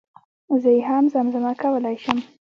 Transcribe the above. زه يي هم زم زمه کولی شم